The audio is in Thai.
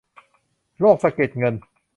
โรคสะเก็ดเงิน